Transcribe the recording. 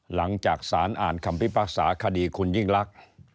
หลังจากสารอ่านคำพิพากษาคดีคุณยิ่งลักษณ์